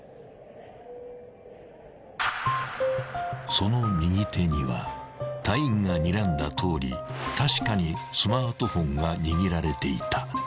［その右手には隊員がにらんだとおり確かにスマートフォンが握られていた］